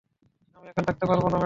আমি এখানে থাকতে পারবো না, অ্যাডাম।